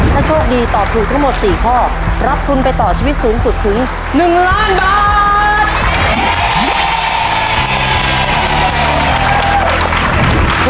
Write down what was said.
ถ้าโชคดีตอบถูกทั้งหมด๔ข้อรับทุนไปต่อชีวิตสูงสุดถึง๑ล้านบาท